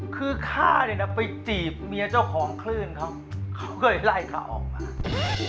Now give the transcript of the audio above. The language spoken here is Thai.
คือข้าเนี่ยนะไปจีบเมียเจ้าของคลื่นเขาเขาก็เลยไล่เขาออกมา